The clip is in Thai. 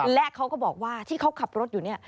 และเขาก็บอกว่าที่เขาขับรถอยู่เนี่ย